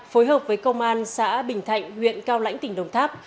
phối hợp với công an xã bình thạnh huyện cao lãnh tỉnh đồng tháp